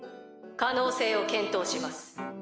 可能性を検討します。